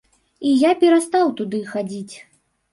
І я перастаў туды хадзіць.